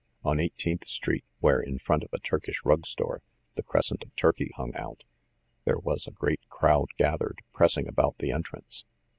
On Eighteenth Street, where, in front of a Turkish rug store, the crescent of Turkey hung out, there was a great crowd gathered, pressing about the entrance.